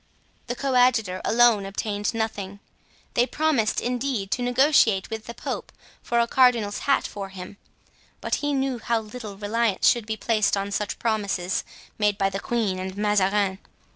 The coadjutor alone obtained nothing. They promised, indeed, to negotiate with the pope for a cardinal's hat for him; but he knew how little reliance should be placed on such promises, made by the queen and Mazarin.